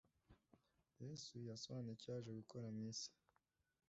Yesu yasobanuyicyo yaje gukora mw isi